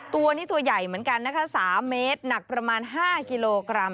ตัวนี้ตัวใหญ่เหมือนกันนะคะ๓เมตรหนักประมาณ๕กิโลกรัม